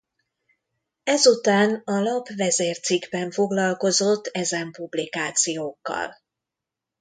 Ezután a lap vezércikkben foglalkozott ezen publikációkkal.